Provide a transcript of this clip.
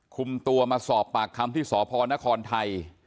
คุมตัวมาสอบปากคำที่สพนครไทย